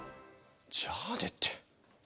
じゃあねって。